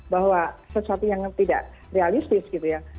bahwa sesuatu yang tidak realistis gitu ya